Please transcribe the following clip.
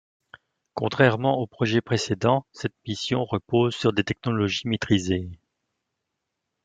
Contrairement au projet précédent, cette mission repose sur des technologies maitrisées.